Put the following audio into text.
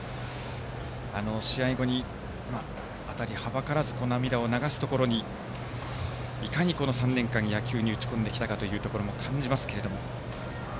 試合後に辺りはばからず涙を流すところにいかに、この３年間、野球に打ち込んできたかということも感じますけれども。